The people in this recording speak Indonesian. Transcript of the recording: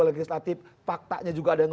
legislatif faktanya juga ada yang